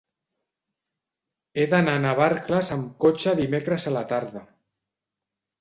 He d'anar a Navarcles amb cotxe dimecres a la tarda.